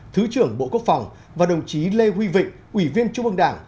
thứ trưởng bộ quốc phòng và đồng chí lê huy vịnh ủy viên trung ương đảng